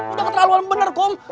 udah keterlaluan bener kum